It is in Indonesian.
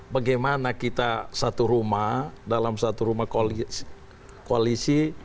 bagaimana kita satu rumah dalam satu rumah koalisi